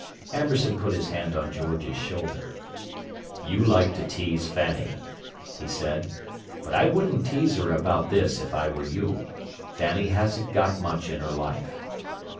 Amberson put his hand on George's shoulder. "You like to tease Fanny," he said, "but I wouldn't tease her about this, if I were you. Fanny hasn't got much in her life.